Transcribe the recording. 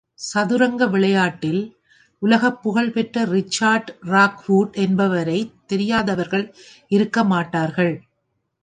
சதுரங்க விளையாட்டில், உலகப் புகழ் பெற்ற ரிச்சர்டு ராக்வுட் என்பவரைத் தெரியாதவர்கள் இருக்கமாட்டார்கள்.